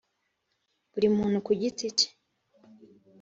Buri muntu ku giti ke,